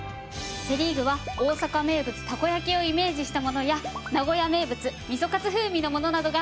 セ・リーグは大阪名物たこ焼きをイメージしたものや名古屋名物みそかつ風味のものなどがあるの。